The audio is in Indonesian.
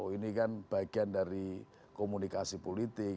ini kan bagian dari komunikasi politik